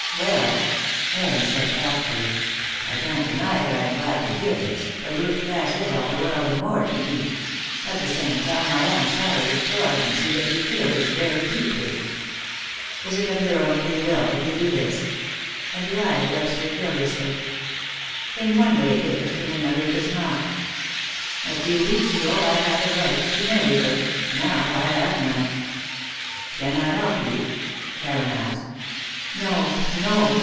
"Well," Heron said, thoughtfully, "I can't deny that I am glad to hear this, for Ruth Cass is all the world and more to me. At the same time time I am sorry, for I can see that you feel this very deeply. Is it of your own free will that you do this?" and he eyed Webster curiously. "In one way it is, in another it is not. A few weeks ago I had a right to marry her, now I have none." "Can I help you?" Heron asked. "No, no.